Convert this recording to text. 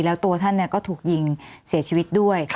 แล้วตัวท่านก็ถูกยิงเสียชีวิตด้วย